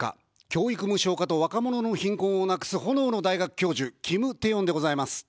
教育無償化と若者の貧困をなくす炎の大学教授、キムテヨンでございます。